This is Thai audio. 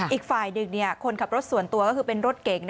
อีกฝ่ายหนึ่งคนขับรถส่วนตัวก็คือเป็นรถเก๋ง